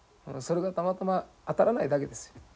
それがたまたま当たらないだけですよ。